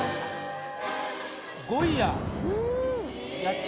５位や。